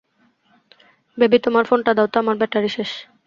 Baby, তোমার phone টা দেও তো, আমার ব্যাটারি শেষ।